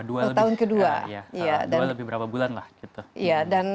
dua lebih berapa bulan lah gitu